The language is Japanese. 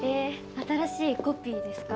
新しいコピーですか？